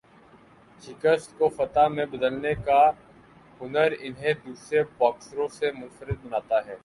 شکست کو فتح میں بدلنے کا ہنر انہیں دوسرے باکسروں سے منفرد بناتا ہے۔